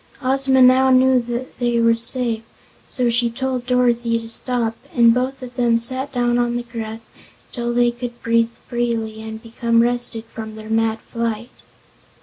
Ozma now knew they were safe, so she told Dorothy to stop and both of them sat down on the grass until they could breathe freely and become rested from their mad flight.